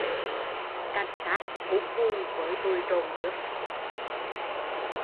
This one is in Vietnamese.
Cảnh sát cút hù với tụi trợm cướp